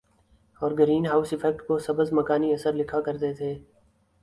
اور greenhouse effect کو سبز مکانی اثر لکھا کرتے تھے